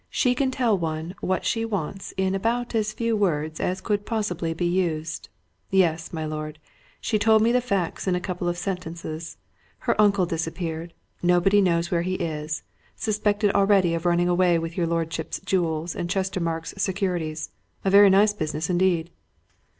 "She can tell one what she wants in about as few words as could possibly be used! Yes, my lord she told me the facts in a couple of sentences. Her uncle disappeared nobody knows where he is suspected already of running away with your lordship's jewels and Chestermarke's securities. A very nice business indeed!"